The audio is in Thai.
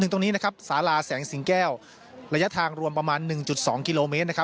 ที่สาราแสงสิงแก้วระยะทางรวมประมาณ๑๒กิโลเมตร